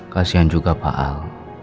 kasian juga pak al